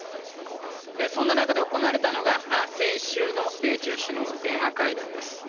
そんな中で行われたのが先週の米中首脳の電話会談です。